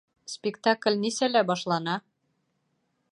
Спектакль нисәлә башлана?